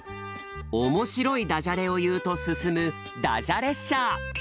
おもしろいダジャレをいうとすすむダジャ列車。